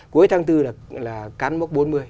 cuối tháng bốn là cắn mốc bốn mươi